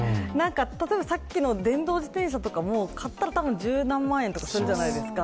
例えばさっきの電動自転車も買ったら十何万円とかするじゃないですか。